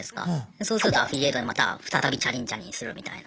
そうするとアフィリエイトでまた再びチャリンチャリンするみたいな。